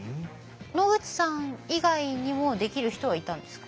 野口さん以外にもできる人はいたんですか？